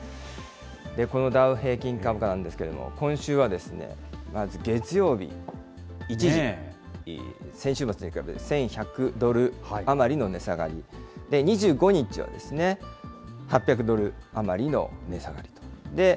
このダウ平均株価なんですけれども、今週はまず月曜日、一時、先週末に比べると１１００ドル余りの値下がり、２５日はですね、８００ドル余りの値下がりと。